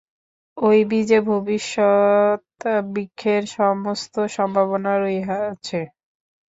ঐ বীজে ভবিষ্যৎ বৃক্ষের সমস্ত সম্ভাবনা রহিয়াছে।